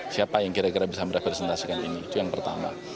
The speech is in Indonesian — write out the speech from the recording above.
siapa yang kira kira bisa merepresentasikan ini itu yang pertama